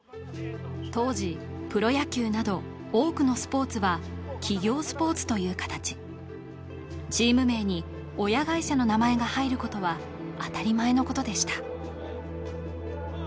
当時プロ野球など多くのスポーツは企業スポーツという形チーム名に親会社の名前が入ることは当たり前のことでした・